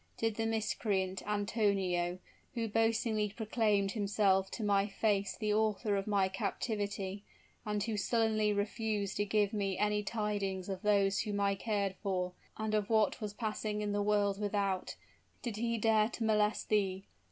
did the miscreant, Antonio, who boastingly proclaimed himself to my face the author of my captivity, and who sullenly refused to give me any tidings of those whom I cared for, and of what was passing in the world without, did he dare to molest thee?